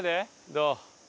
どう？